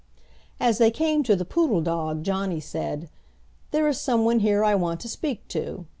"As they came to the Poodle Dog Johnny said, 'There is some one here I want to speak to.'